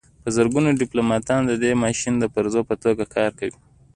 په زرګونو ډیپلوماتان د دې ماشین د پرزو په توګه کار کوي